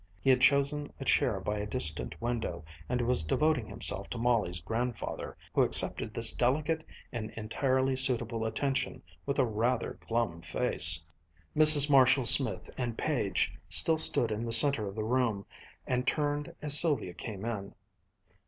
He had chosen a chair by a distant window and was devoting himself to Molly's grandfather, who accepted this delicate and entirely suitable attention with a rather glum face. Mrs. Marshall Smith and Page still stood in the center of the room, and turned as Sylvia came in.